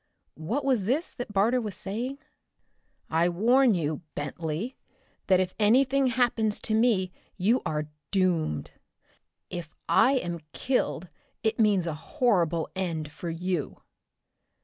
What was this that Barter was saying? "I warn you, Bentley, that if anything happens to me you are doomed. If I am killed it means a horrible end for you."